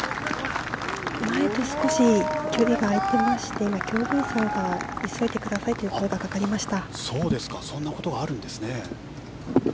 前と少し距離が開いてまして今、競技委員さんから急いでくださいという声がかかりました。